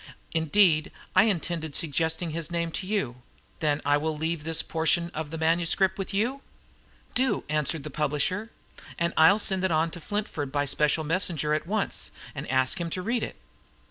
"Indeed, I intended suggesting his name to you. Then I will leave this portion of the manuscript with you?" "Do," answered the publisher. "I'll send it on to Flintford by special messenger at once, and ask him to read it.